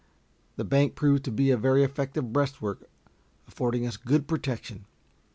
The bank proved to be a very effective breastwork, affording us good protection.